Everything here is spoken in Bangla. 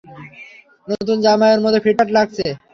নতুন জামাইয়ের মতো ফিটফাট লাগছে?